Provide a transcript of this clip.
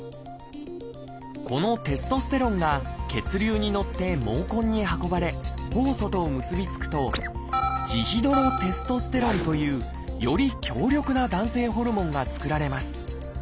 このテストステロンが血流に乗って毛根に運ばれ酵素と結び付くと「ジヒドロテストステロン」というより強力な男性ホルモンが作られます。